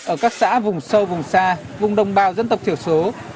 ở các xã vùng sâu vùng xa vùng đồng bào dân tộc thiểu số